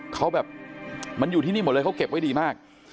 เขาแบบมันอยู่ที่นี่หมดเลยเขาเก็บไว้ดีมาก